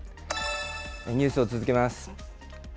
ニュースを続けます。